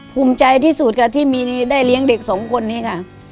ภูมิใจที่สุดค่ะที่มีได้เลี้ยงเด็กสองคนนี้ค่ะ